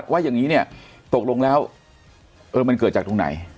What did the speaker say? ว่าอย่างนี้ตกลงแล้วมันเกิดจากทุกไหน